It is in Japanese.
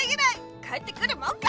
帰ってくるもんか！